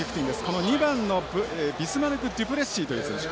この２番のビスマルクデュプレシーという選手。